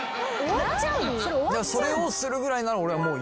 それをするぐらいなら俺はもういいや。